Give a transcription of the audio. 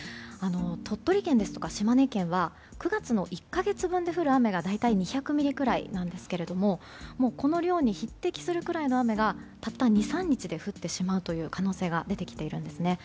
鳥取県や島根県は９月の１か月分で降る雨が大体２００ミリくらいなんですがこの量に匹敵するくらいの雨がたった２３日で降ってしまう可能性が出てきています。